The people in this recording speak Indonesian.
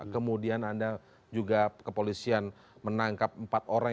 kemudian anda juga kepolisian menangkap empat orang